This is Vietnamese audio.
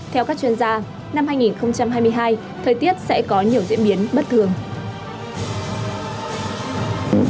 theo các chuyên gia năm hai nghìn hai mươi hai thời tiết sẽ có nhiều diễn biến bất thường